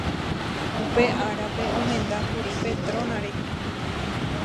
upe árape omendákuri Petrona rehe